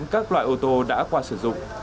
các loại ô tô đã qua sử dụng